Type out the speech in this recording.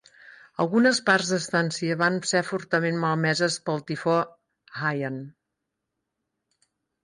Algunes parts d'Estancia van ser fortament malmeses pel tifó Haiyan.